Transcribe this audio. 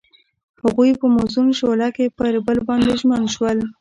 هغوی په موزون شعله کې پر بل باندې ژمن شول.